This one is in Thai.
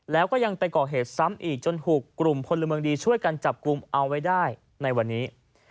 แล้วก็ยังไปก่อเหตุซ้ำอีกจนถูกกลุ่มพลเมืองดีช่วยกันจับกลุ่มเอาไว้ได้ในวันนี้